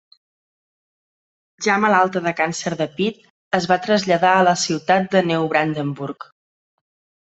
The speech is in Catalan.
Ja malalta de càncer de pit, es va traslladar a la ciutat de Neubrandenburg.